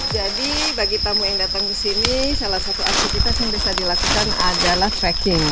jadi bagi tamu yang datang disini salah satu aktivitas yang bisa dilakukan adalah trekking